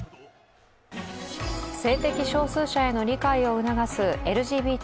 性的少数者への理解を促すＬＧＢＴ